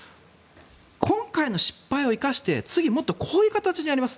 今回の失敗を生かして次、もっとこういう形でやります。